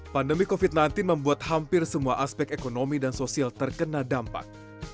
pandemi covid sembilan belas membuat hampir semua aspek ekonomi dan sosial terkena dampak